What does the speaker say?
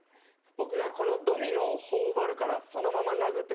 僕がこのドミノを頬張るからそのまま殴ってくれ。